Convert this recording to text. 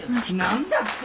何だって！？